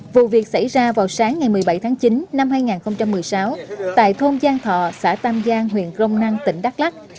vụ việc xảy ra vào sáng ngày một mươi bảy tháng chín năm hai nghìn một mươi sáu tại thôn giang thọ xã tam giang huyện grong năng tỉnh đắk lắc